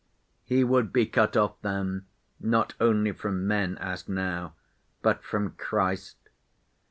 He would be cut off then not only from men, as now, but from Christ.